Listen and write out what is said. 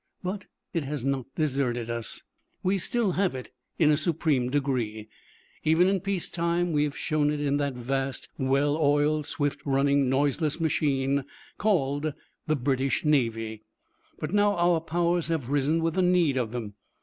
But it has not deserted us. We still have it in a supreme degree. Even in peace time we have shown it in that vast, well oiled, swift running, noiseless machine called the British Navy. But now our powers have risen with the need of them.